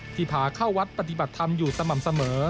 พาเข้าวัดปฏิบัติธรรมอยู่สม่ำเสมอ